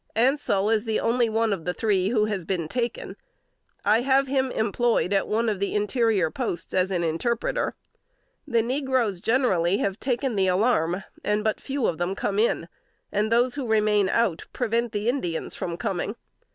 Ansel is the only one of the three who has been taken. I have him employed, at one of the interior posts, as an interpreter. The negroes generally have taken the alarm, and but few of them come in; and those who remain out, prevent the Indians from coming.